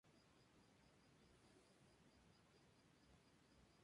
Subsecuentemente ella ingresada a los charts.